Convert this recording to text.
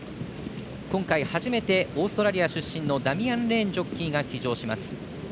今回、初めてオーストラリア出身のダミアン・レーンジョッキーが騎乗します。